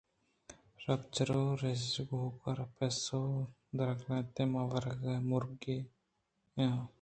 شپ چَر ءَ رِیژگوٛک ءَ را پَسّہ گردینتبلے من وَمُرگے نیاں